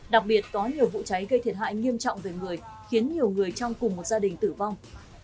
đặc biệt có nhiều vụ cháy gây thiệt hại nghiêm trọng về người khiến nhiều người trong cùng một gia đình tử vong